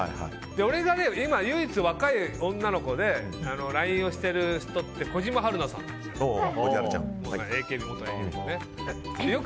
俺が今、唯一若い女の子でＬＩＮＥをしている人って小嶋陽菜さんですよ。